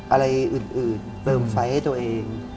อะไรอื่นเติมไฟให้ตัวเอง